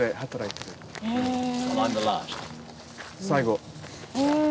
最後。